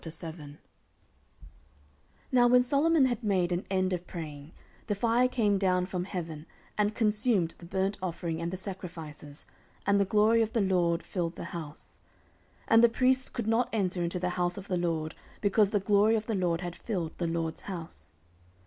14:007:001 Now when Solomon had made an end of praying, the fire came down from heaven, and consumed the burnt offering and the sacrifices; and the glory of the LORD filled the house. 14:007:002 And the priests could not enter into the house of the LORD, because the glory of the LORD had filled the LORD's house.